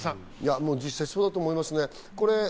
実際そうだと思いますね。